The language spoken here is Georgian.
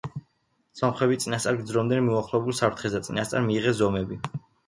სომხები წინასწარ გრძნობდნენ მოახლოებულ საფრთხეს და წინასწარ მიიღეს ზომები.